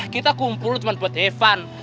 kita kumpul cuma buat evan